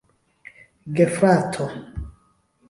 gefrato